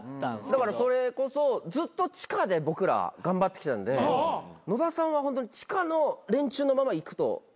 だからそれこそずっと地下で僕ら頑張ってきてたんで野田さんは地下の連中のままいくと思ってたんですよ。